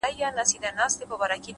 لوړ اخلاق تل روښانه پاتې کېږي؛